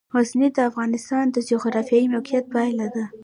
غزني د افغانستان د جغرافیایي موقیعت پایله ده.